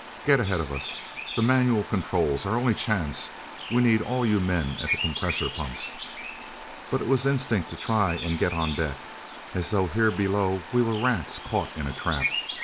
"Get ahead of us! The manual controls our only chance we need all you men at the compressor pumps!" But it was instinct to try and get on deck, as though here below we were rats caught in a trap.